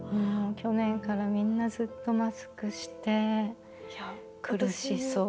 去年からみんなずっとマスクして苦しそう。